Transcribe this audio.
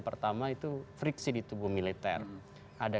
pertama itu friksi di tubuh militer ada